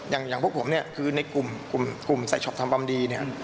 อย่างพวกผมเนี่ยคือในกลุ่มใส่ช็อปทำความดีเนี่ย